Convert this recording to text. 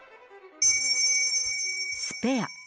スペア。